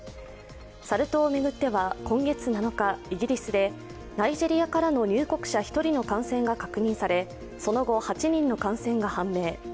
サル痘を巡っては、今月７日、イギリスでナイジェリアからの入国者１人の感染が確認され、その後、８人の感染が判明。